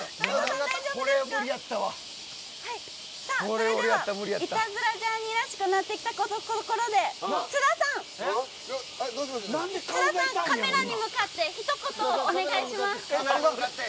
それでは「イタズラジャーニー」らしくなってきたところで津田さん、カメラに向かってひと言お願いします。